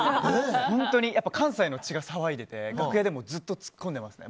やっぱり関西の血が騒いでて楽屋でもずっとツッコんでますね。